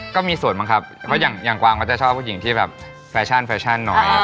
ก็มีส่วนบ้างครับเพราะอย่างกวางเขาจะชอบผู้หญิงที่แบบแฟชั่นแฟชั่นน้อย